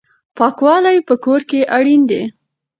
پاکوالی په کور کې اړین دی.